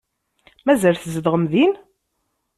Mazal tzedɣem din?